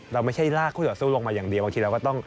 เราไม่ใช่ลากคู่ต่อสู้ลงมาอย่างเดียวบางทีเราก็ต้อง